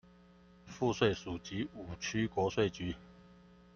賦稅署及五區國稅局